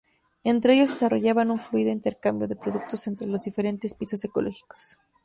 Entre ellos desarrollaban un fluido intercambio de productos entre los diferentes pisos ecológicos.